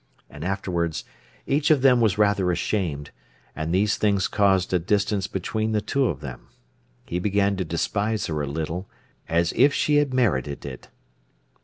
And afterwards each of them was rather ashamed, and these things caused a distance between the two of them. He began to despise her a little, as if she had merited it!